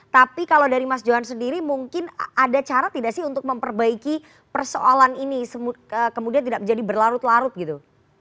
tapi kalau dari mas johan sendiri mungkin ada cara tidak sih untuk memperbaiki persoalan ini kemudian tidak menjadi berlarut larut gitu